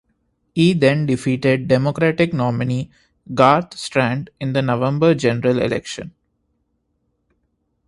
He then defeated Democratic nominee Garth Strand in the November general election.